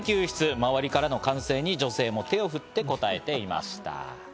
周りからの歓声に女性も手を振って応えていました。